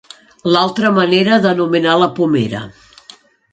L'altra manera d'anomenar la pomera.